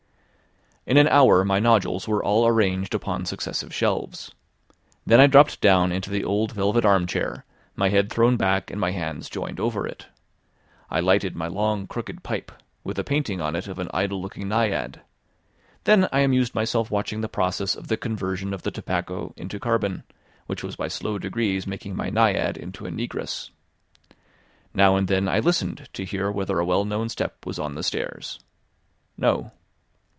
In an hour my nodules were all arranged upon successive shelves. Then I dropped down into the old velvet armchair, my head thrown back and my hands joined over it. I lighted my long crooked pipe, with a painting on it of an idle looking naiad; then I amused myself watching the process of the conversion of the tobacco into carbon, which was by slow degrees making my naiad into a negress. Now and then I listened to hear whether a well known step was on the stairs. No.